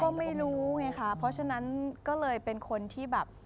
ก็ไม่รู้ไงค่ะเพราะฉะนั้นก็เลยเป็นคนที่แบบ